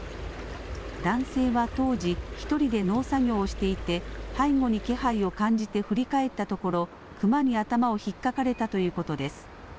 男性は当時１人で農作業をしていて背後に気配を感じて振り返ったところクマに頭をひっかかれたということです。